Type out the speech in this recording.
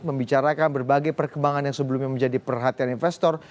membicarakan berbagai perkembangan yang sebelumnya menjadi perhatian investor